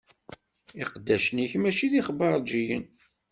Iqeddacen-ik mačči d ixbaṛǧiyen.